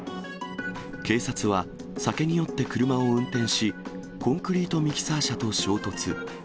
警察は、酒に酔って車を運転し、コンクリートミキサー車と衝突。